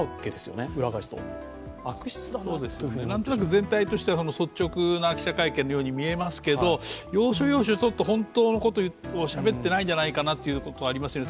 なんとなく全体として率直な記者会見のように見えますけれども、要所要所、本当のことをしゃべっていないんじゃないかなというところがありますよね